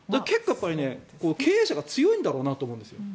経営者が強いんだろうなと思うんです。